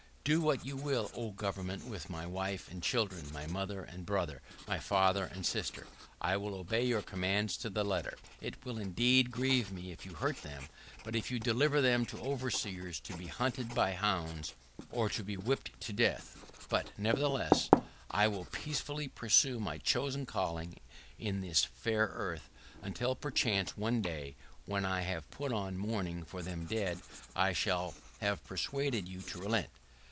Do what you will, O Government, with my wife and children, my mother and brother, my father and sister, I will obey your commands to the letter. It will indeed grieve me if you hurt them, if you deliver them to overseers to be hunted by bounds or to be whipped to death; but, nevertheless, I will peaceably pursue my chosen calling on this fair earth, until perchance, one day, when I have put on mourning for them dead, I shall have persuaded you to relent.